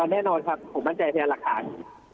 แน่นอนครับผมมั่นใจพยานหลักฐาน